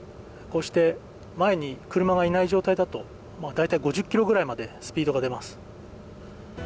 こうして前に車がいない状態だと、大体５０キロぐらいまでスピードが出ます。